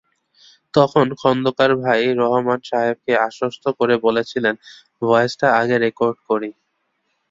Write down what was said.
তখন খোন্দকার ভাই রাহমান সাহেবকে আশ্বস্ত করে বলেছিলেন, ভয়েসটা আগে রেকর্ড করি।